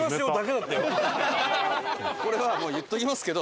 これはもう言っときますけど。